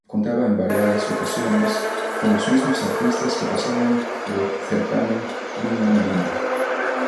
Contaba en variadas ocasiones con los mismos artistas que pasaban por el certamen viñamarino.